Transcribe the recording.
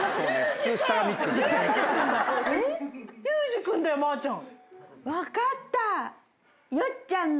雄嗣君だよまーちゃん。